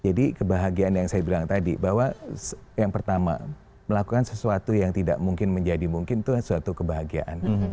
jadi kebahagiaan yang saya bilang tadi bahwa yang pertama melakukan sesuatu yang tidak mungkin menjadi mungkin tuh suatu kebahagiaan